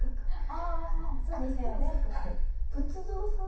ああそうですよね。